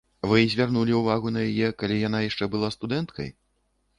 Вы звярнулі ўвагу на яе, калі яна яшчэ была студэнткай?